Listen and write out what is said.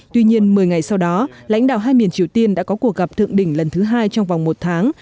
tuy nhiên một mươi ngày sau đó lãnh đạo hai miền triều tiên đã có cuộc gặp thượng đỉnh lần thứ hai trong vòng một tháng